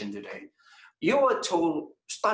anda diberitahu mulai besar